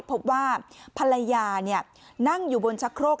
พบว่าภรรยานั่งอยู่บนชะโครก